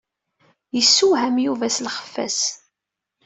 Yessewham Yuba s lxeffa-s.